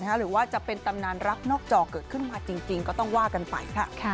หรือว่าจะเป็นตำนานรักนอกจอเกิดขึ้นมาจริงก็ต้องว่ากันไปค่ะ